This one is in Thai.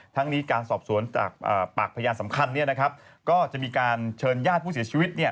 ทั้งนี้การสอบสวนจากปากพยานสำคัญก็จะมีการเชิญญาติผู้เสียชีวิต